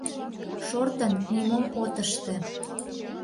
Шортын, нимом от ыште.